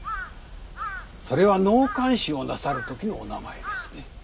それは納棺師をなさるときのお名前ですね。